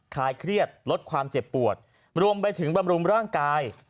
คลายเครียดลดความเจ็บปวดรวมไปถึงบำรุงร่างกาย